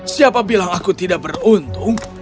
siapa bilang aku tidak beruntung